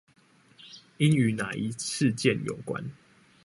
應與那一事件有關？